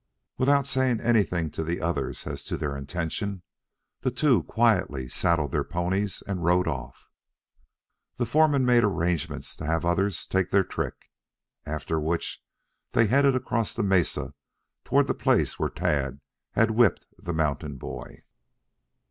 Without saying anything to the others as to their intention, the two quietly saddled their ponies and rode off. The foreman made arrangements to have others take their trick, after which they headed across the mesa toward the place where Tad had whipped the mountain boy.